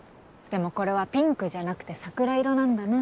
でもこれはピンクじゃなくて桜色なんだな。